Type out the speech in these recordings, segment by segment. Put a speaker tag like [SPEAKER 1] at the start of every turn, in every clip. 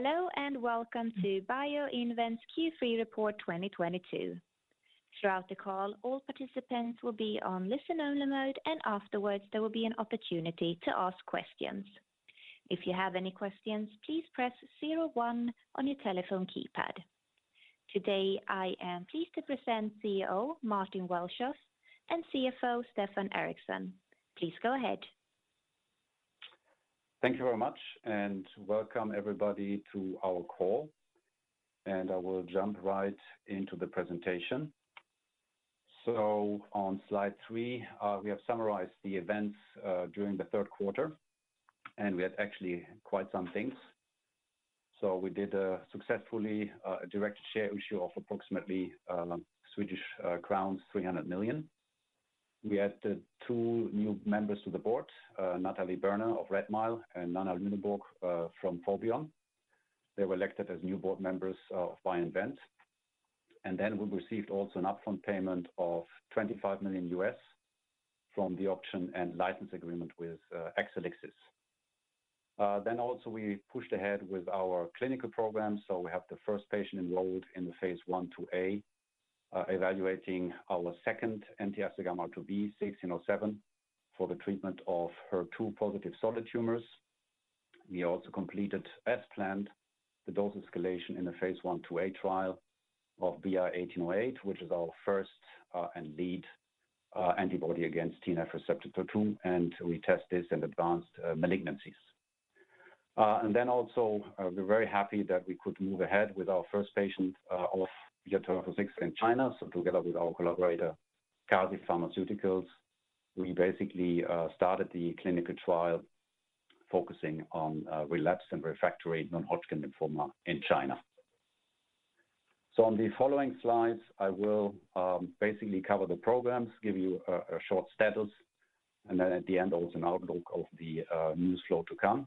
[SPEAKER 1] Hello and welcome to BioInvent's Q3 report 2022. Throughout the call, all participants will be on listen only mode, and afterwards there will be an opportunity to ask questions. If you have any questions, please press zero one on your telephone keypad. Today I am pleased to present CEO Martin Welschof and CFO Stefan Ericsson. Please go ahead.
[SPEAKER 2] Thank you very much and welcome everybody to our call. I will jump right into the presentation. On Slide three, we have summarized the events during the third quarter, and we had actually quite some things. We did successfully a direct share issue of approximately Swedish crowns 300 million. We added two new members to the board, Natalie Berner of Redmile and Nanna Lüneborg from Forbion. They were elected as new board members of BioInvent. We received also an upfront payment of $25 million from the option and license agreement with Exelixis. We pushed ahead with our clinical program. We have the first patient enrolled in the phase 1/2a evaluating our second anti-FcγRIIB 1607 for the treatment of HER2-positive solid tumors. We also completed as planned the dose escalation in the phase 1/2a trial of BI-1808, which is our first and lead antibody against TNF receptor two. We test this in advanced malignancies. We're very happy that we could move ahead with our first patient of BI-1206 in China. Together with our collaborator, CASI Pharmaceuticals, we basically started the clinical trial focusing on relapsed and refractory non-Hodgkin lymphoma in China. On the following slides, I will basically cover the programs, give you a short status, and then at the end also an outlook of the news flow to come.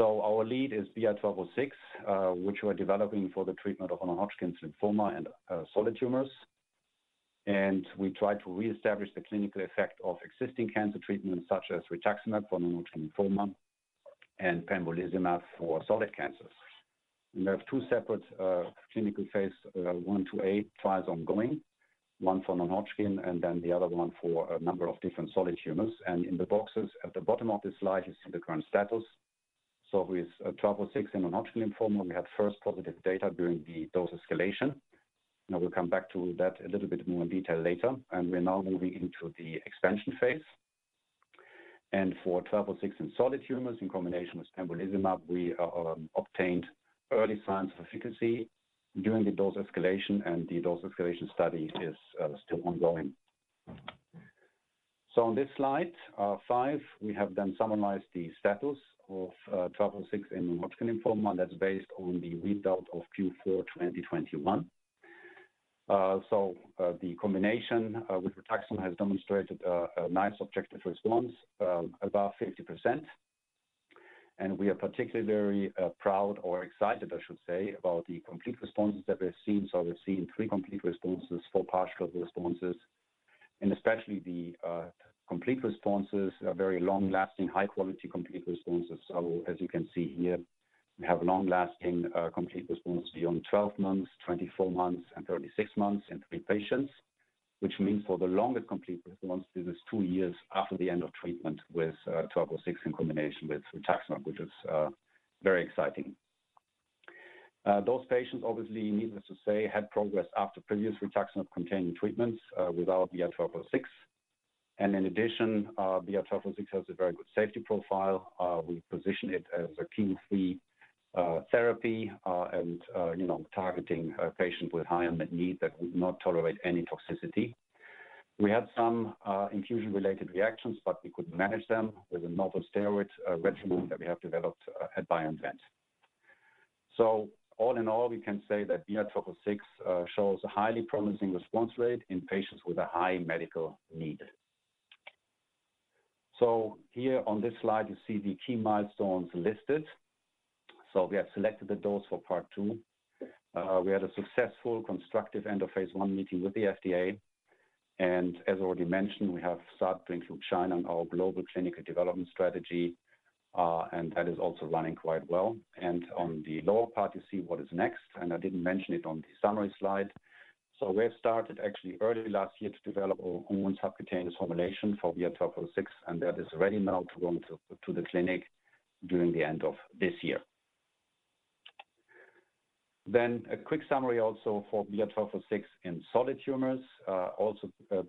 [SPEAKER 2] Our lead is BI-1206, which we're developing for the treatment of non-Hodgkin lymphoma and solid tumors. We try to reestablish the clinical effect of existing cancer treatments such as rituximab for non-Hodgkin lymphoma and pembrolizumab for solid cancers. We have two separate clinical phase 1/2a trials ongoing. One for non-Hodgkin and then the other one for a number of different solid tumors. In the boxes at the bottom of the slide, you see the current status. With BI-1206 in non-Hodgkin lymphoma, we had first positive data during the dose escalation. Now we'll come back to that a little bit more in detail later. We're now moving into the expansion phase. For BI-1206 in solid tumors in combination with pembrolizumab, we obtained early signs of efficacy during the dose escalation and the dose escalation study is still ongoing. On this Slide five, we have then summarized the status of BI-1206 in non-Hodgkin lymphoma. That's based on the readout of Q4 2021. The combination with rituximab has demonstrated a nice objective response above 50%. We are particularly proud or excited, I should say, about the complete responses that we've seen. We've seen three complete responses, four partial responses, and especially the complete responses are very long-lasting, high-quality complete responses. As you can see here, we have long-lasting complete response beyond 12 months, 24 months and 36 months in three patients, which means for the longer complete response, it is two years after the end of treatment with BI-1206 in combination with rituximab, which is very exciting. Those patients obviously, needless to say, had progressed after previous rituximab-containing treatments, without BI-1206. In addition, BI-1206 has a very good safety profile. We position it as a chemo-free therapy, and, you know, targeting a patient with high unmet need that would not tolerate any toxicity. We had some infusion-related reactions, but we could manage them with a novel steroid regimen that we have developed at BioInvent. All in all, we can say that BI-1206 shows a highly promising response rate in patients with a high medical need. Here on this slide you see the key milestones listed. We have selected the dose for part 2. We had a successful constructive end of phase 1 meeting with the FDA. As already mentioned, we have started things with China on our global clinical development strategy, and that is also running quite well. On the lower part you see what is next, and I didn't mention it on the summary slide. We have started actually early last year to develop our own subcutaneous formulation for BI-1206, and that is ready now to go into the clinic during the end of this year. A quick summary also for BI-1206 in solid tumors.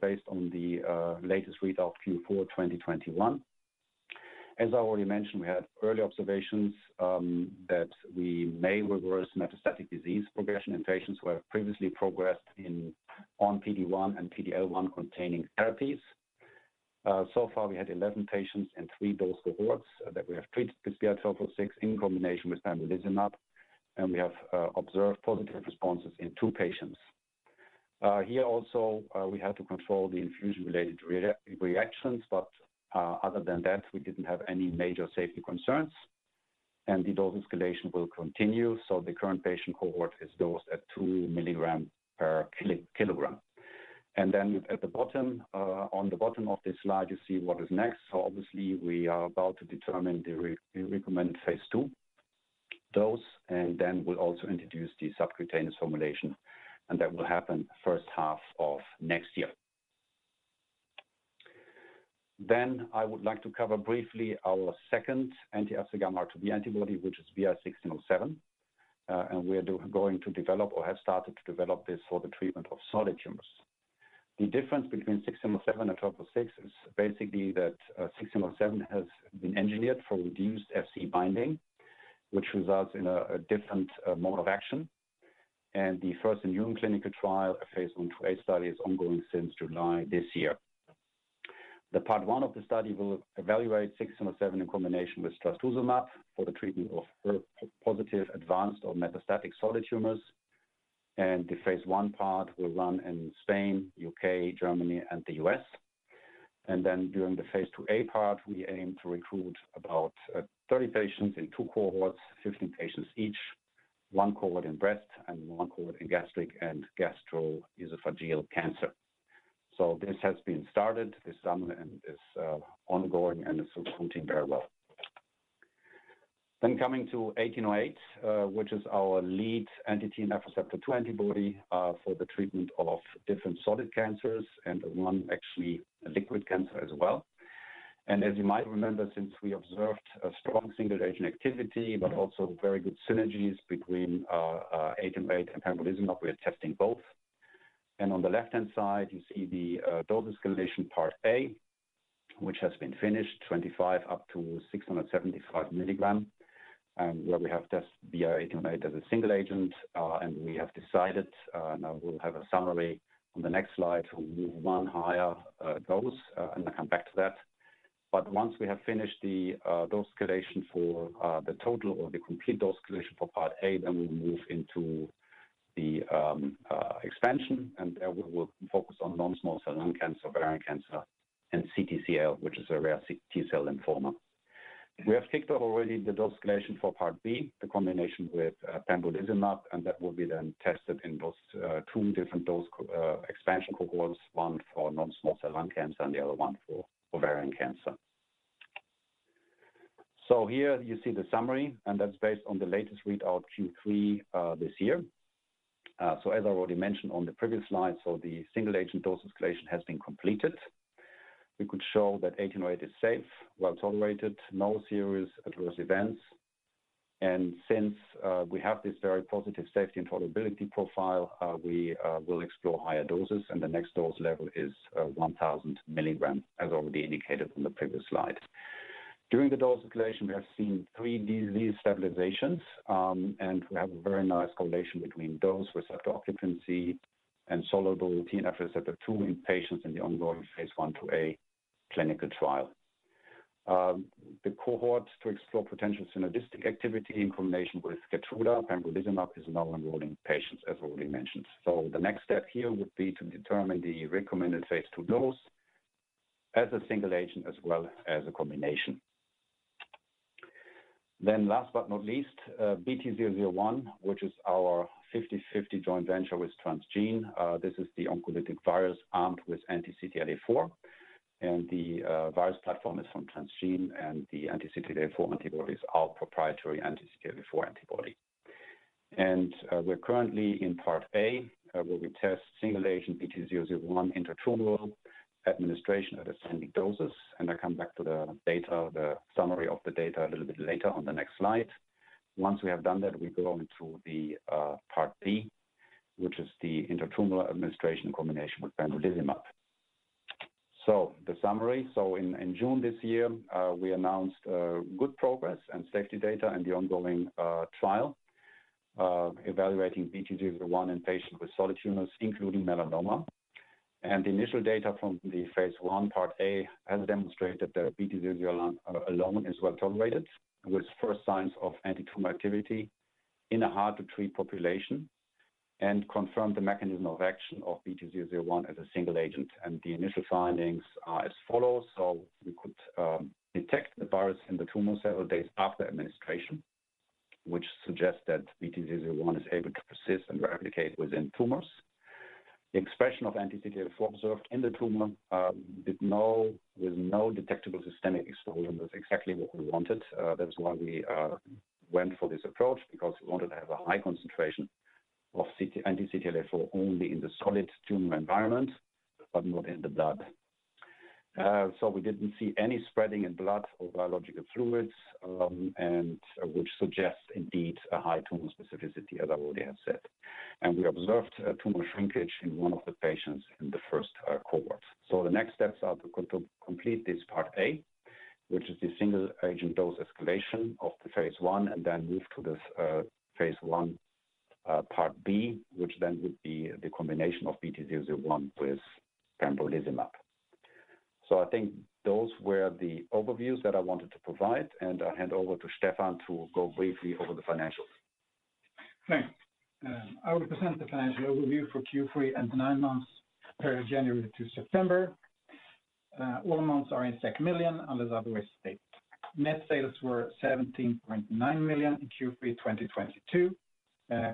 [SPEAKER 2] Based on the latest readout Q4 2021. As I already mentioned, we had early observations that we may reverse metastatic disease progression in patients who have previously progressed on PD-1 and PD-L1 containing therapies. So far we had 11 patients in three dose cohorts that we have treated with BI-1206 in combination with pembrolizumab, and we have observed positive responses in two patients. Here also, we had to control the infusion-related reactions, but other than that we didn't have any major safety concerns and the dose escalation will continue. The current patient cohort is dosed at 2 mg per kg. At the bottom, on the bottom of this slide, you see what is next. Obviously, we are about to determine the recommended phase 2 dose, and then we'll also introduce the subcutaneous formulation, and that will happen first half of next year. I would like to cover briefly our second anti-FcγRIIB antibody, which is BI-1607. We are going to develop or have started to develop this for the treatment of solid tumors. The difference between BI-1607 and BI-1206 is basically that, BI-1607 has been engineered for reduced Fc binding, which results in a different mode of action. The first-in-human clinical trial, a phase 1/2a study, is ongoing since July this year. Part 1 of the study will evaluate BI-1607 in combination with trastuzumab for the treatment of HER2-positive advanced or metastatic solid tumors. The phase 1 part will run in Spain, U.K., Germany, and the U.S. During the phase 2a part, we aim to recruit about 30 patients in 2 cohorts, 15 patients each. 1 cohort in breast and 1 cohort in gastric and gastroesophageal cancer. This has been started this summer and is ongoing and it's recruiting very well. Coming to BI-1808, which is our lead anti-TNFR2 antibody for the treatment of different solid cancers and one actually a liquid cancer as well. As you might remember, since we observed a strong single-agent activity, but also very good synergies between BI-1808 and pembrolizumab, we are testing both. On the left-hand side, you see the dose escalation part A, which has been finished 25 up to 675 mg. Where we have tested BI-1808 as a single agent, and we have decided, now we'll have a summary on the next slide. We'll move one higher dose, and I'll come back to that. Once we have finished the dose escalation for the complete dose escalation for part A, we'll move into the expansion, and there we will focus on non-small cell lung cancer, ovarian cancer and CTCL, which is a rare T-cell lymphoma. We have kicked off already the dose escalation for part B, the combination with pembrolizumab, and that will be then tested in those two different dose expansion cohorts, one for non-small cell lung cancer and the other one for ovarian cancer. Here you see the summary, and that's based on the latest readout Q3 this year. As I already mentioned on the previous slide, the single-agent dose escalation has been completed. We could show that BI-1808 is safe, well-tolerated, no serious adverse events. Since we have this very positive safety and tolerability profile, we will explore higher doses and the next dose level is 1,000 mg, as already indicated on the previous slide. During the dose escalation, we have seen three disease stabilizations, and we have a very nice correlation between dose, receptor occupancy, and soluble TNFR2 in patients in the ongoing phase 1/2a clinical trial. The cohorts to explore potential synergistic activity in combination with Keytruda pembrolizumab is now enrolling patients as already mentioned. The next step here would be to determine the recommended phase 2 dose as a single agent as well as a combination. Last but not least, BT-001, which is our 50/50 joint venture with Transgene. This is the oncolytic virus armed with anti-CTLA-4, and the virus platform is from Transgene, and the anti-CTLA-4 antibody is our proprietary anti-CTLA-4 antibody. We're currently in part A, where we test single agent BT-001 intratumoral administration at ascending doses. I come back to the data, the summary of the data a little bit later on the next slide. Once we have done that, we go into part B, which is the intratumoral administration combination with pembrolizumab. The summary. In June this year, we announced good progress and safety data in the ongoing trial evaluating BT-001 in patients with solid tumors, including melanoma. The initial data from the phase 1 part A has demonstrated that BT-001 alone is well tolerated with first signs of antitumor activity in a hard-to-treat population and confirmed the mechanism of action of BT-001 as a single agent. The initial findings are as follows. We could detect the virus in the tumor several days after administration, which suggests that BT-001 is able to persist and replicate within tumors. The expression of anti-CTLA-4 observed in the tumor with no detectable systemic exposure, and that's exactly what we wanted. That's why we went for this approach because we wanted to have a high concentration of anti-CTLA-4 only in the solid tumor environment but not in the blood. We didn't see any spreading in blood or biological fluids, and which suggests indeed a high tumor specificity, as I already have said. We observed a tumor shrinkage in one of the patients in the first cohort. The next steps are to complete this part A, which is the single agent dose escalation of the phase 1 and then move to this phase 1 part B, which then would be the combination of BT-001 with pembrolizumab. I think those were the overviews that I wanted to provide, and I'll hand over to Stefan to go briefly over the financials.
[SPEAKER 3] Thanks. I will present the financial overview for Q3 and the nine months period, January to September. All amounts are in million unless otherwise stated. Net sales were 17.9 million in Q3 2022,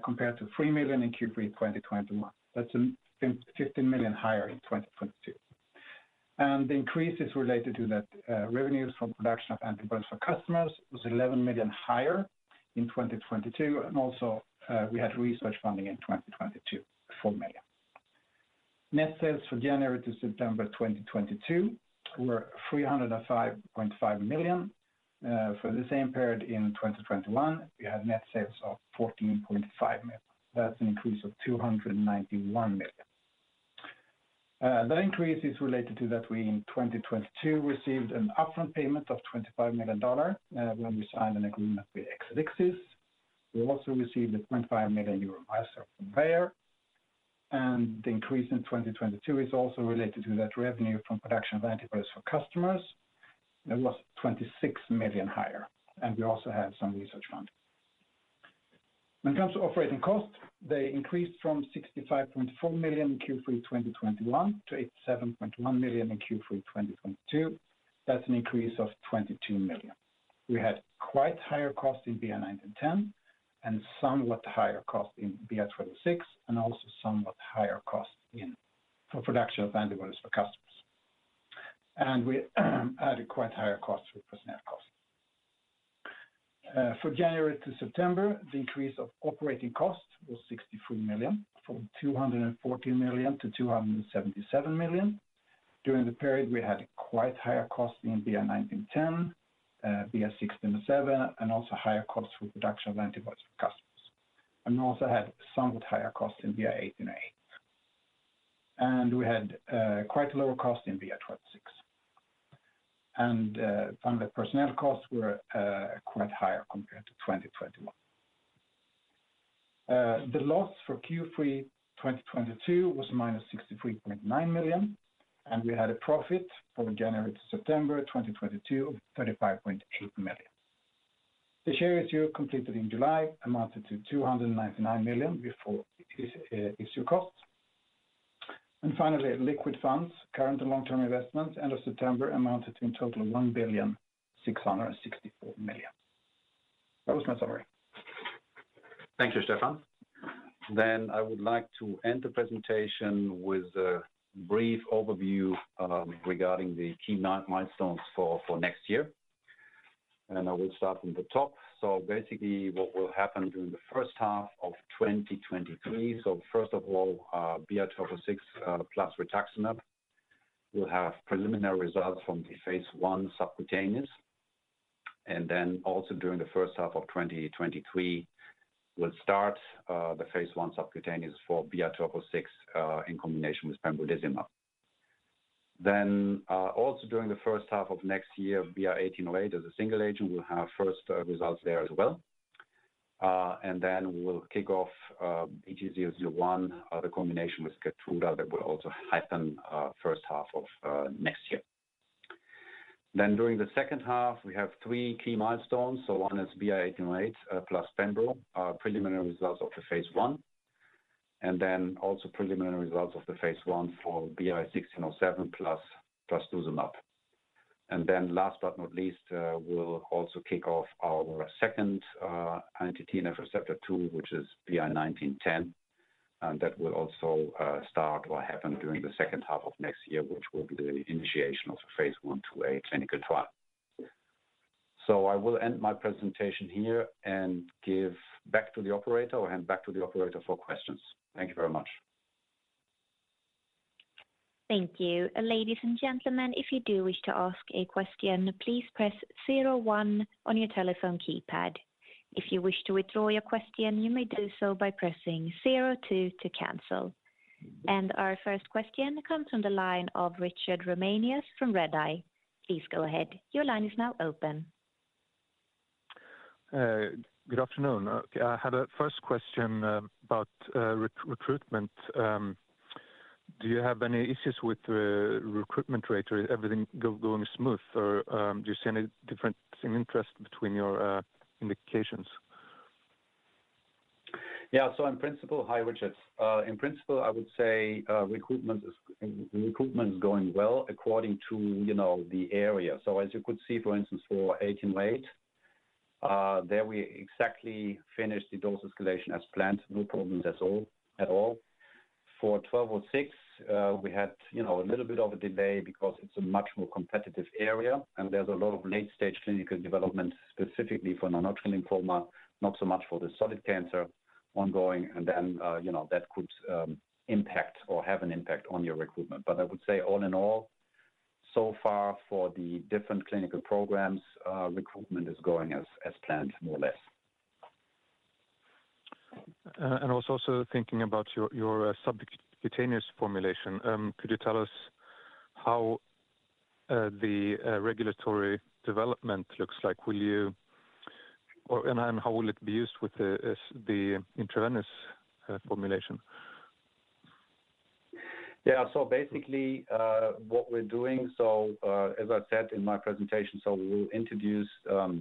[SPEAKER 3] compared to 3 million in Q3 2021. That's 15 million higher in 2022. The increase is related to that, revenues from production of antibodies for customers was 11 million higher in 2022. Also, we had research funding in 2022, 4 million. Net sales for January to September 2022 were 305.5 million. For the same period in 2021, we had net sales of 14.5 million. That's an increase of 291 million. That increase is related to that we in 2022 received an upfront payment of $25 million when we signed an agreement with Exelixis. We also received a 0.5 million euro milestone from Bayer. The increase in 2022 is also related to that revenue from production of antibodies for customers. That was 26 million higher, and we also had some research funding. When it comes to operating costs, they increased from 65.4 million in Q3 2021 to 87.1 million in Q3 2022. That's an increase of 22 million. We had quite higher costs in BI-1910 and somewhat higher costs in BI-1206, and also somewhat higher costs for production of antibodies for customers. We had quite higher costs for personnel costs. For January to September, the increase of operating costs was 63 million, from 214 million to 277 million. During the period, we had quite higher costs in BI-1910, BI-1607, and also higher costs for production of antibodies for customers. We also had somewhat higher costs in BI-1808. We had quite lower costs in BI-1206. Found that personnel costs were quite higher compared to 2021. The loss for Q3 2022 was -63.9 million, and we had a profit for January to September 2022 of 35.8 million. The share issue completed in July amounted to 299 million before issue costs. Finally, liquid funds, current and long-term investments, end of September amounted to in total 1,664 million. That was my summary.
[SPEAKER 2] Thank you, Stefan. I would like to end the presentation with a brief overview regarding the key milestones for next year. I will start from the top. Basically what will happen during the first half of 2023. First of all, BI-1206 plus rituximab will have preliminary results from the phase 1 subcutaneous. Then also during the first half of 2023, we'll start the phase 1 subcutaneous for BI-1206 in combination with pembrolizumab. Also during the first half of next year, BI-1808 as a single agent, we'll have first results there as well. We will kick off BT-001, the combination with Keytruda that will also happen first half of next year. During the second half, we have three key milestones. One is BI-1808 plus pembro, preliminary results of the phase 1. Then also preliminary results of the phase 1 for BI-1607 plus dostarlimab. Last but not least, we'll also kick off our second anti-TNFR2, which is BI-1910. That will also start or happen during the second half of next year, which will be the initiation of the phase 1/2a clinical trial. I will end my presentation here and give back to the operator or hand back to the operator for questions. Thank you very much.
[SPEAKER 1] Thank you. Ladies and gentlemen, if you do wish to ask a question, please press zero one on your telephone keypad. If you wish to withdraw your question, you may do so by pressing zero two to cancel. Our first question comes from the line of Richard Ramanius from Redeye. Please go ahead. Your line is now open.
[SPEAKER 4] Good afternoon. I had a first question about recruitment. Do you have any issues with the recruitment rate or everything going smooth? Or do you see any difference in interest between your indications?
[SPEAKER 2] In principle. Hi, Richard. In principle, I would say recruitment is going well according to, you know, the area. As you could see, for instance, for BI-1808 there we exactly finished the dose escalation as planned, no problems at all. For BI-1206 we had, you know, a little bit of a delay because it is a much more competitive area and there is a lot of late-stage clinical development, specifically for non-Hodgkin lymphoma, not so much for the solid cancer ongoing. That could impact or have an impact on your recruitment. I would say all in all, so far for the different clinical programs recruitment is going as planned, more or less.
[SPEAKER 4] I was also thinking about your subcutaneous formulation. Could you tell us how the regulatory development looks like? How will it be used with the intravenous formulation?
[SPEAKER 2] Basically, what we're doing, as I said in my presentation, we will introduce, or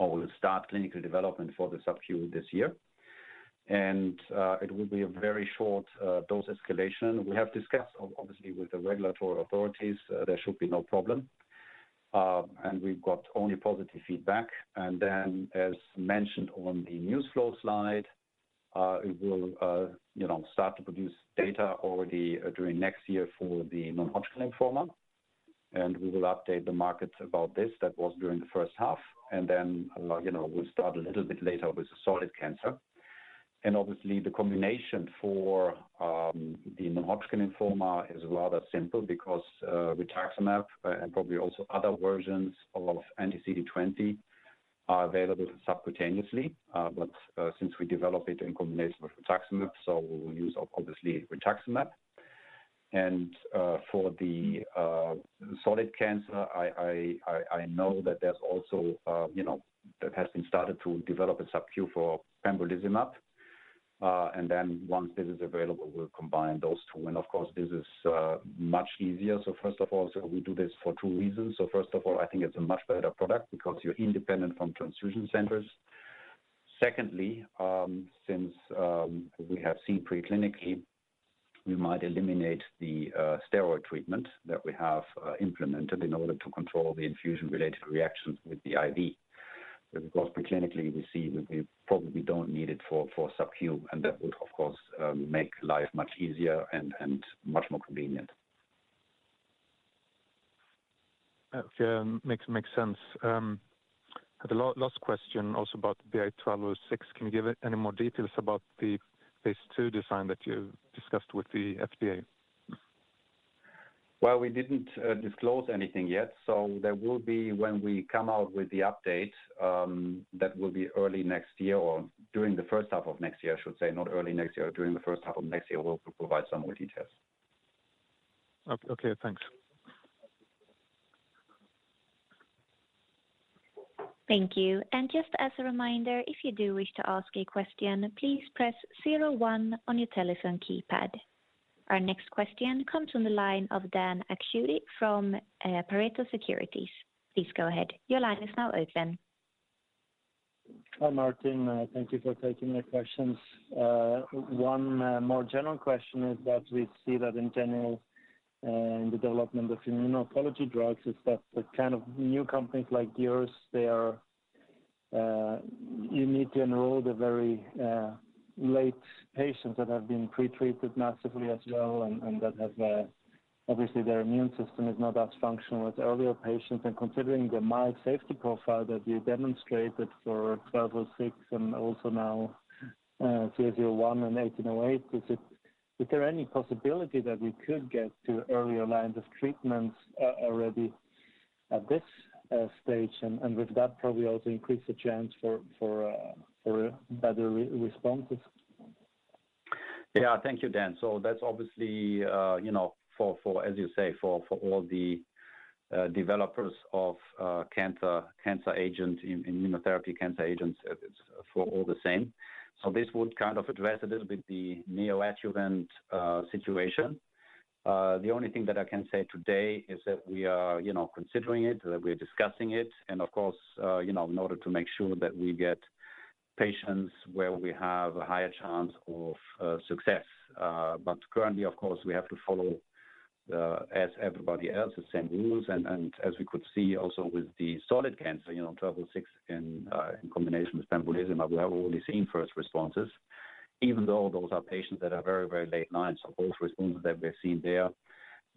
[SPEAKER 2] we'll start clinical development for the subcu this year. It will be a very short dose escalation. We have discussed obviously with the regulatory authorities, there should be no problem. We've got only positive feedback. As mentioned on the news flow slide, it will, you know, start to produce data already during next year for the non-Hodgkin lymphoma. We will update the markets about this. That was during the first half. You know, we'll start a little bit later with solid cancer. Obviously, the combination for the non-Hodgkin lymphoma is rather simple because rituximab and probably also other versions of anti-CD20 are available subcutaneously. Since we developed it in combination with rituximab, we will use rituximab obviously. For the solid cancer, I know that there's also, you know, that has been started to develop a subcu for pembrolizumab. Once this is available, we'll combine those two. Of course, this is much easier. First of all, we do this for two reasons. First of all, I think it's a much better product because you're independent from infusion centers. Secondly, since we have seen preclinically, we might eliminate the steroid treatment that we have implemented in order to control the infusion-related reactions with the IV. Because preclinically, we see that we probably don't need it for subcu, and that would of course make life much easier and much more convenient.
[SPEAKER 4] Okay. Makes sense. The last question also about BI-1206. Can you give any more details about the phase 2 design that you discussed with the FDA?
[SPEAKER 2] Well, we didn't disclose anything yet, so there will be when we come out with the update, that will be early next year or during the first half of next year, I should say. Not early next year, during the first half of next year, we'll provide some more details.
[SPEAKER 4] Okay, thanks.
[SPEAKER 1] Thank you. Just as a reminder, if you do wish to ask a question, please press zero one on your telephone keypad. Our next question comes from the line of Dan Akschuti from Pareto Securities. Please go ahead. Your line is now open.
[SPEAKER 5] Hi, Martin. Thank you for taking the questions. One more general question is that we see that in general, in the development of immunology drugs, the kind of new companies like yours need to enroll the very late patients that have been pretreated massively as well, and that have obviously their immune system is not as functional as earlier patients. Considering the mild safety profile that you demonstrated for BI-1206 and also now BI-1607 and BI-1808, is there any possibility that we could get to earlier lines of treatments already at this stage, and with that probably also increase the chance for better responses.
[SPEAKER 2] Thank you, Dan. That's obviously, you know, for, as you say, for all the developers of cancer agents in immunotherapy, it's for all the same. This would kind of address a little bit the neoadjuvant situation. The only thing that I can say today is that we are considering it, that we're discussing it. Of course, you know, in order to make sure that we get patients where we have a higher chance of success. Currently, of course, we have to follow the same rules as everybody else. As we could see also with the solid cancer, you know, BI-1206 in combination with pembrolizumab, we have only seen first responses. Even though those are patients that are very, very late lines of both responses that we're seeing there,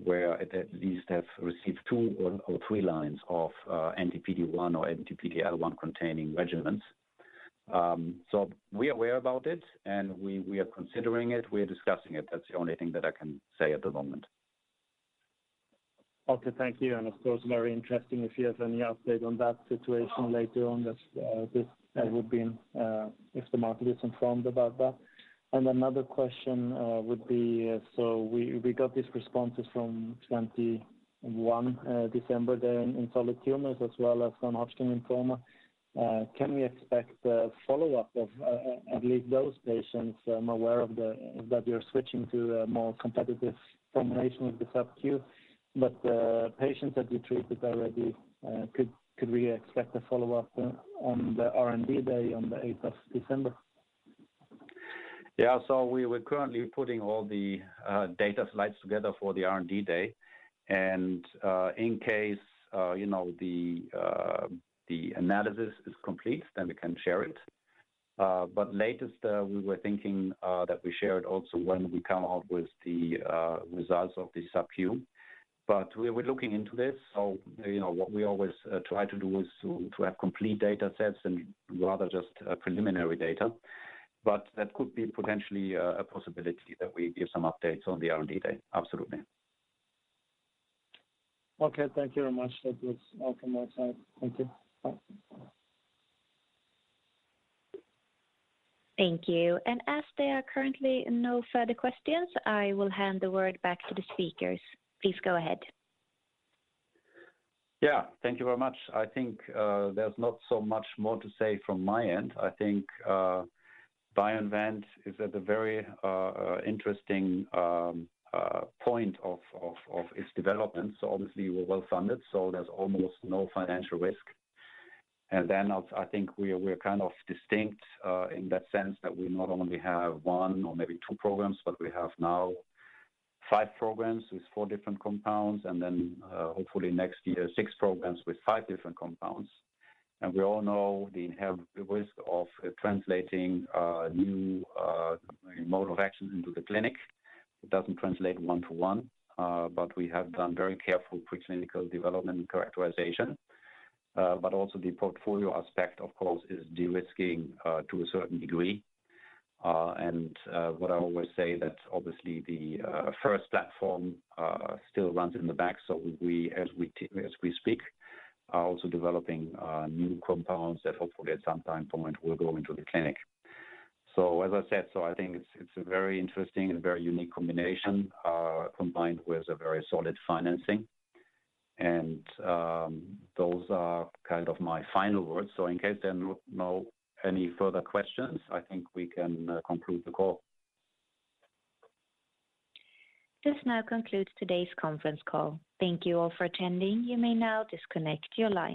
[SPEAKER 2] where these have received two or three lines of anti-PD-1 or anti-PD-L1 containing regimens. We're aware about it, and we are considering it. We are discussing it. That's the only thing that I can say at the moment.
[SPEAKER 5] Okay. Thank you. Of course, very interesting if you have any update on that situation later on. This would be if the market is informed about that. Another question would be, so we got these responses from twenty-one December there in solid tumors as well as non-Hodgkin lymphoma. Can we expect a follow-up of at least those patients? I'm aware that you're switching to a more competitive formulation with the subcu. But the patients that you treated already, could we expect a follow-up on the R&D day on the eighth of December?
[SPEAKER 2] Yeah. We're currently putting all the data slides together for the R&D day. In case you know the analysis is complete, then we can share it. But at the latest we were thinking that we share it also when we come out with the results of the subcu. We're looking into this. You know, what we always try to do is to have complete data sets and rather than just preliminary data. That could be potentially a possibility that we give some updates on the R&D day. Absolutely.
[SPEAKER 5] Okay. Thank you very much. That was all from my side. Thank you. Bye.
[SPEAKER 1] Thank you. As there are currently no further questions, I will hand the word back to the speakers. Please go ahead.
[SPEAKER 2] Yeah. Thank you very much. I think, there's not so much more to say from my end. I think, BioInvent is at a very interesting point of its development. Obviously we're well-funded, so there's almost no financial risk. I think we're kind of distinct in that sense that we not only have one or maybe two programs, but we have now five programs with four different compounds, and then, hopefully next year, six programs with five different compounds. We all know the inherent risk of translating new mode of action into the clinic. It doesn't translate one to one, but we have done very careful preclinical development and characterization. Also the portfolio aspect, of course, is de-risking to a certain degree. What I always say that obviously the first platform still runs in the back. So we, as we speak, are also developing new compounds that hopefully at some time point will go into the clinic. So as I said, I think it's a very interesting and very unique combination combined with a very solid financing. And those are kind of my final words. So in case there not any further questions, I think we can conclude the call.
[SPEAKER 1] This now concludes today's conference call. Thank you all for attending. You may now disconnect your line.